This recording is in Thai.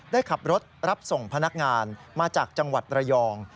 ได้ขับรถรับส่งพนักงานมาจากจังหวัดระยอง